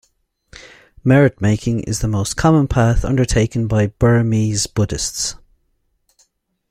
Merit-making is the most common path undertaken by Burmese Buddhists.